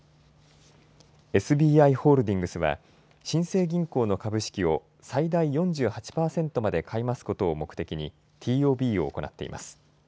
ＳＢＩホールディングスは新生銀行の株式を最大４８％まで買い増すことを目的にＴＯＢを行っています。